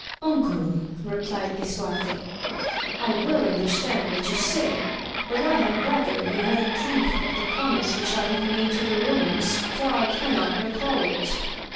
Uncle, replied Lisuarte, I well under stand what you say, but I had rather you had approved AMADIS OF GAUL. 27 of the promise which I have made to the Komans, for I cannot recall it.